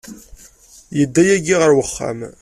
Yedda yagi ɣer wexxam.